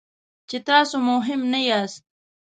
چې تاسو مهم نه یاست.